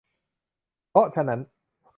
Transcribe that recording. เพราะฉะนั้น